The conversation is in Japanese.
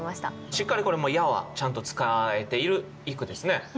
しっかりこれも「や」はちゃんと使えているいい句ですね。